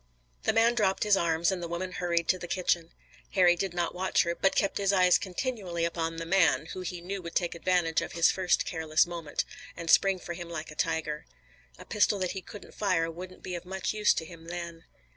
The man dropped his arms and the woman hurried to the kitchen. Harry did not watch her, but kept his eyes continually upon the man, who he knew would take advantage of his first careless moment, and spring for him like a tiger. A pistol that he couldn't fire wouldn't be of much use to him then.